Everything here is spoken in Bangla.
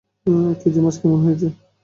কিজি, মাছ কেমন হয়েছে?